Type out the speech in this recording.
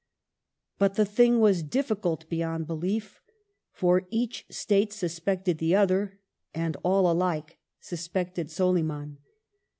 But the thing was difficult beyond belief, for each State suspected the other, and all alike sus pected Soliman.